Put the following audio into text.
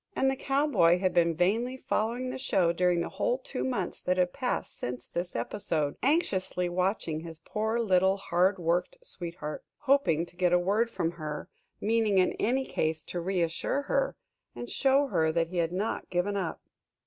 And the cowboy had been vainly following the show during the whole two months that had passed since this episode, anxiously watching his poor little hard worked sweetheart, hoping to get a word from her, meaning in any case to reassure her, and show her that he had not given up.